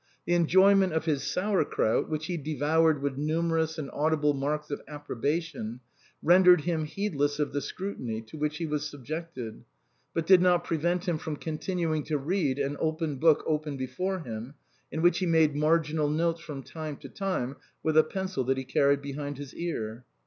The enjoyment of his sour crout, which he devoured with numerous and audible marks of approbation, rendered him heedless of the scrutiny to which he was subjected, but did not prevent him from continuing to read an old book open before him, in which he made marginal notes from time to time with a pencil that he carried behind his ear.